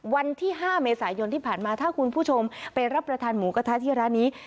วันที่๕เมษายนที่ผ่านมาถ้าคุณผู้ชมไปรับประทานหมูกระทะที่ร้านนี้